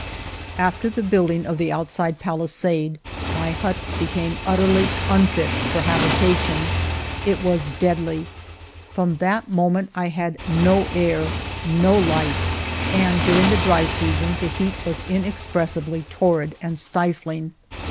'* After the building of the outside palisade, my hut became utterly unfit for habitation : it was deadly. From that moment I had no air, no light, and during the dry season the heat was inexpressibly torrid and stifling.